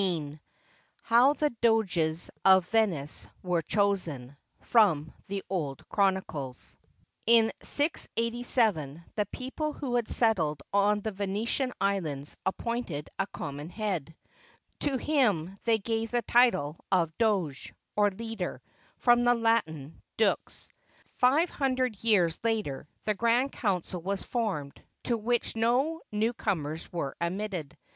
SO HOW THE DOGES OF VENICE WERE CHOSEN FROM THE OLD CHRONICLES [In 687, the people who had settled on the Venetian islands appointed a common head. To him they gave the title of Doge, or leader, from the Latin dux. Five hundred years later, the Grand Council was formed, to which no new comers were admitted.